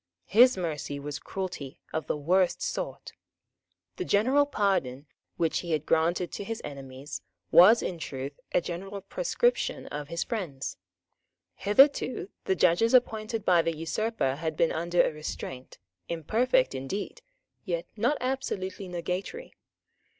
His mercy was cruelty of the worst sort. The general pardon which he had granted to his enemies was in truth a general proscription of his friends. Hitherto the judges appointed by the usurper had been under a restraint, imperfect indeed, yet not absolutely nugatory.